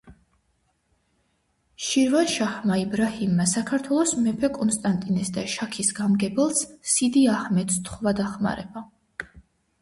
შირვანშაჰმა იბრაჰიმმა საქართველოს მეფე კონსტანტინეს და შაქის გამგებელს სიდი აჰმედს სთხოვა დახმარება.